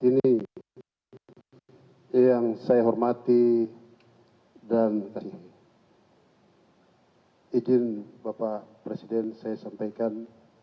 ini yang saya hormati dan izin bapak presiden saya sampaikan